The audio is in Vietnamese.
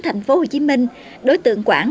tp hcm đối tượng quảng